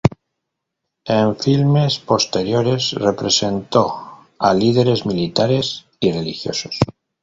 En filmes posteriores representó a líderes militares y religiosos.